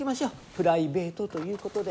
プライベートということで。